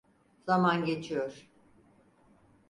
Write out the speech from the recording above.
Zaman geçiyor.